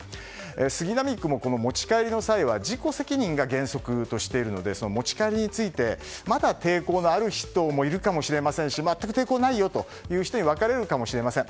杉並区も、持ち帰りの際は自己責任が原則としているのでその持ち帰りについてまだ抵抗のある人もいるかもしれませんしそれとも全く抵抗ないよという人に分かれるかもしれません。